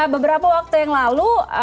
beberapa waktu yang lalu